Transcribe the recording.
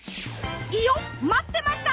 いよっ待ってました！